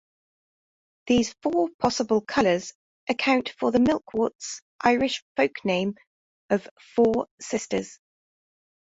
These four possible colours account for the milkworts' Irish folk-name of 'four sisters'.